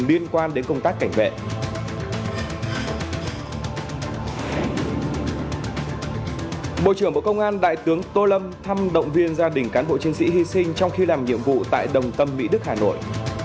bộ trưởng bộ công an đại tướng tô lâm thăm động viên gia đình cán bộ chiến sĩ hy sinh trong khi làm nhiệm vụ tại đồng tâm mỹ đức hà nội